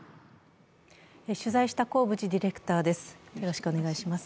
取材した河渕ディレクターです。